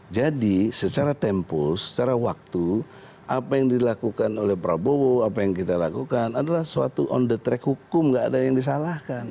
jadi secara tempus secara waktu apa yang dilakukan oleh prabowo apa yang kita lakukan adalah suatu on the track hukum nggak ada yang disalahkan